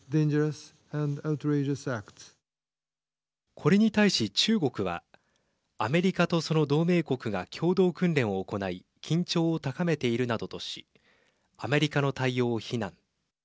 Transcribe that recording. これに対し中国はアメリカとその同盟国が共同訓練を行い緊張を高めているなどとしアメリカの対応を非難。